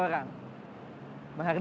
mahardika utama seagames malaysia